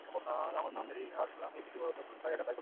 আচ্ছা, আমার নাম মেরি, আর শুনলাম এই প্রথমবার তুমি একা ফ্লাই করছ।